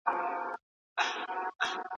که د حق لار غوره کړې هيڅکله به پښېمانه نه سې.